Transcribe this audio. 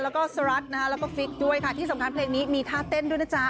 แล้วก็สรัสนะคะแล้วก็ฟิกด้วยค่ะที่สำคัญเพลงนี้มีท่าเต้นด้วยนะจ๊ะ